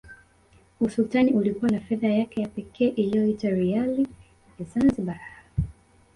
Usultani ulikuwa na fedha yake ya pekee iliyoitwa Riali ya Zanzibar